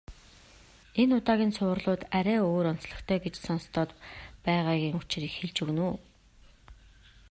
Энэ удаагийн цувралууд арай өөр онцлогтой гэж сонстоод байгаагийн учрыг хэлж өгнө үү.